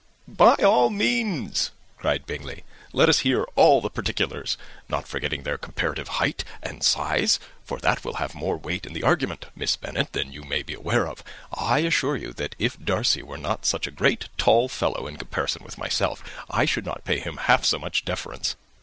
"By all means," cried Bingley; "let us hear all the particulars, not forgetting their comparative height and size, for that will have more weight in the argument, Miss Bennet, than you may be aware of. I assure you that if Darcy were not such a great tall fellow, in comparison with myself, I should not pay him half so much deference.